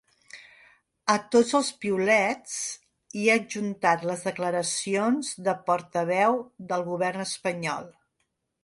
A tots els piulets hi ha adjuntat les declaracions de portaveu del govern espanyol.